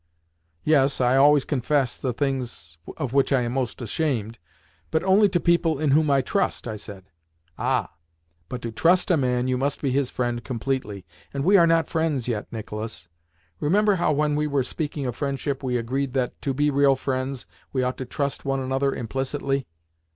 "Yes, I always confess the things of which I am most ashamed—but only to people in whom I trust," I said. "Ah, but to trust a man you must be his friend completely, and we are not friends yet, Nicolas. Remember how, when we were speaking of friendship, we agreed that, to be real friends, we ought to trust one another implicitly."